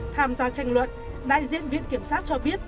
tham gia tranh luận đại diện viện kiểm sát cho biết